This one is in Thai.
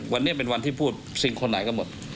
วันนี้เป็นวันที่พูดซิงคนไหนก็หมด